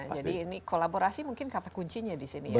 jadi ini kolaborasi mungkin kata kuncinya di sini ya